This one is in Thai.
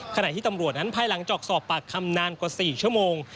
ขณะที่ตำรวจนั้นภายหลังจากสอบปากคำนานกว่า๔ชั่วโมง